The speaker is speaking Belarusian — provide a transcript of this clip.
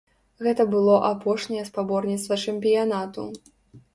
Гэта было апошняе спаборніцтва чэмпіянату.